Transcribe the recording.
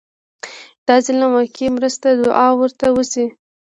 د ظالم واقعي مرسته دعا ورته وشي.